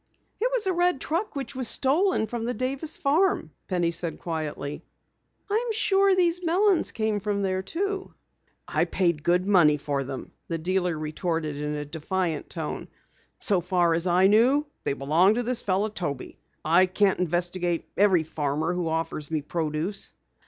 "It was a red truck which was stolen from the Davis farm," Penny said quietly. "I'm sure these melons came from there too." "I paid good money for them," the dealer retorted in a defiant tone. "So far as I knew, they belonged to this fellow Toby. I can't investigate every farmer who offers me produce."